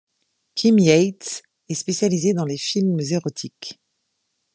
Kim Yates est spécialisée dans les films érotiques.